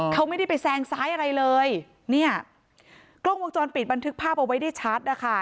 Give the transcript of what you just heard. เขาไม่ได้ไปแซงซ้ายอะไรเลยเนี่ยกล้องวงจรปิดบันทึกภาพเอาไว้ได้ชัดนะคะ